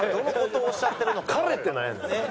彼ってなんやねん！